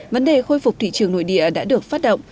vấn đề khôi phục thị trường nội địa đã được phát động